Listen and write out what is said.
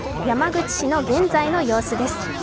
山口市の現在の様子です。